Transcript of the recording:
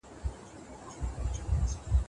مثبت فکر انرژي نه زیانمنوي.